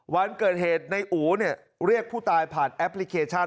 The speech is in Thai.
วันเกิดเหตุในอู๋เรียกผู้ตายผ่านแอปพลิเคชัน